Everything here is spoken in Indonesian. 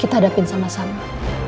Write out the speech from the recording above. kita hadapin sama sama